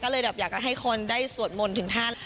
ก็เลยแบบอยากจะให้คนได้สวดมนต์ถึงท่าน